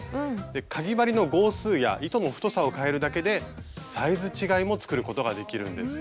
かぎ針の号数や糸の太さを変えるだけでサイズ違いも作ることができるんです。